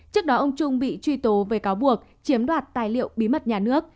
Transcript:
trước đó ông trung bị truy tố về cáo buộc chiếm đoạt tài liệu bí mật nhà nước